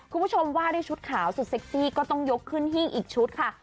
คุณผู้ชมว่าด้วยชุดขาวสุดเซ็กซี่ก็ต้องยกขึ้นหิ้งอีกชุดค่ะ